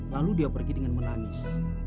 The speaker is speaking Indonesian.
lalu dia pergi dengan menangis